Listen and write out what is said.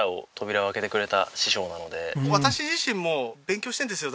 私自身も勉強してるんですよ